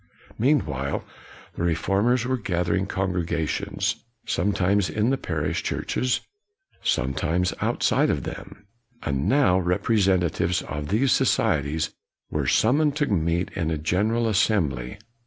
Meanwhile, the reformers were gather ing congregations, sometimes in the parish churches, sometimes outside of them; and now representatives of these societies were summoned to meet in a General Assembly.